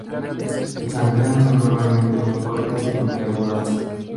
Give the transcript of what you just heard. Sus antenas son normalmente muy cortas y puntiagudas.